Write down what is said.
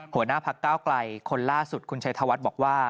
หัวหน้าพักก้าวไกลคนล่าสุดคุณชัยธวัฒน์บอกว่า